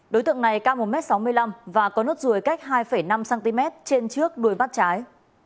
đối tượng này cao một m sáu mươi năm và có nốt ruồi cách hai năm cm trên trước đuôi mắt trái